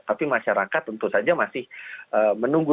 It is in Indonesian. tapi masyarakat tentu saja masih menunggu